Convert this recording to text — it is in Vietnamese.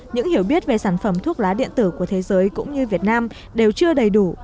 những hiểu biết về sản phẩm thuốc lá điện tử của thế giới cũng như việt nam đều chưa đầy đủ